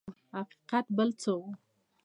حقیقت بل څه و.